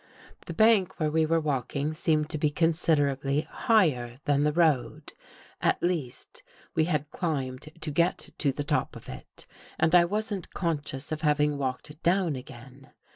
The bank where we were walking seemed to be considerably higher than the road. At least, we l had climbed to get to the top of it and I wasn't con r scious of having walked down again.